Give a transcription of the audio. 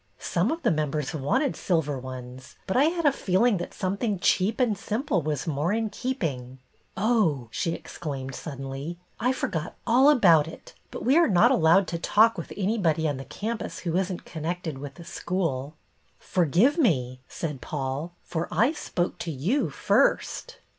Some of the members wanted silver ones, but I had a feeling that something cheap and simple was more in keeping. Oh I " she exclaimed suddenly, " I forgot all about it, but we are not allowed to talk with anybody on the campus who is n't connected with the school." " Forgive me," said Paul, " for I spoke to you first."